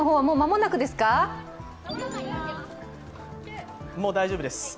もう大丈夫です。